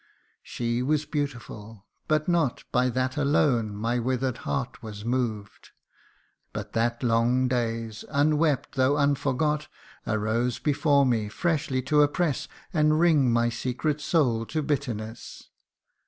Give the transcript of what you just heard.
She was beautiful, but not By that alone my wither'd heart was moved ; But that long days, unwept though unforgot, Arose before me, freshly to oppress, And wring my secret soul to bitterness.